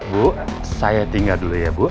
bu saya tinggal dulu ya bu